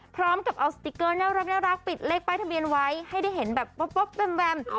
พร้อมกับเอาสติ๊กเกอร์น่ารักปิดเลขป้ายทะเบียนไว้ให้ได้เห็นแบบป๊อบแวม